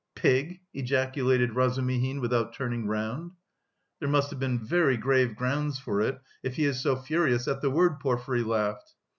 "Pig!" ejaculated Razumihin, without turning round. "There must have been very grave grounds for it, if he is so furious at the word," Porfiry laughed.